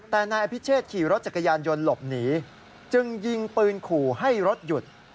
แต่นายอภิเชษขี่รถจักรยานยนต์หลบหนีจึงยิงปืนขู่ให้รถหยุด